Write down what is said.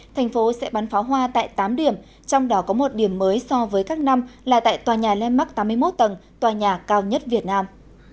thành phố sẽ bắn pháo hoa tại tám điểm trong đó có một điểm mới so với các năm là tại tòa nhà lemmark tám mươi một tầng tòa nhà cao nhất việt nam